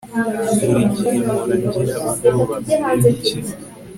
buri gihe mpora ngira ubwoba mbere yumukino